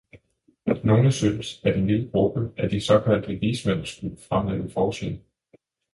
Nogle synes, at en lille gruppe af de såkaldte vismænd skulle fremlægge forslag.